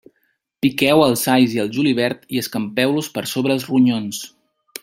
Piqueu els alls i el julivert i escampeu-los per sobre els ronyons.